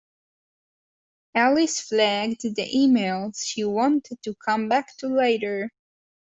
Alice flagged the emails she wanted to come back to later